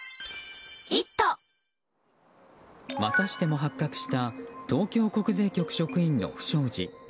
またしても発覚した東京国税局職員の不祥事。